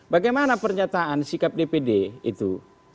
bagaimana pernyataan sikap dpd itu